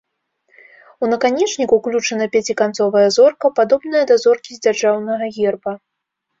У наканечнік уключана пяціканцовая зорка, падобная да зоркі з дзяржаўнага герба.